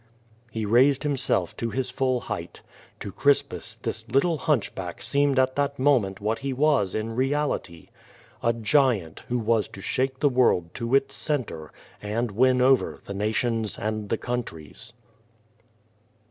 He raised himself to his full height. To Crispus this lit tle hunchback seemed at that moment what he was in reality, a giant who was to shake the world to its centre, and win over the nations and the countries.